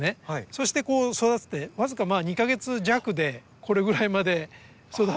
そして育てて僅か２か月弱でこれぐらいまで育って花が咲きます。